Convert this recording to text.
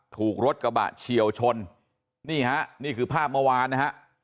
ถูกรถกระบะเฉียวชนนี่ฮะนี่คือภาพเมื่อวานนะฮะ